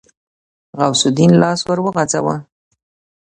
غوث الدين لاس ور وغځاوه.